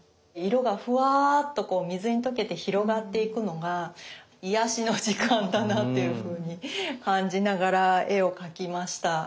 色がふわっとこう水に溶けて広がっていくのが癒やしの時間だなというふうに感じながら絵を描きました。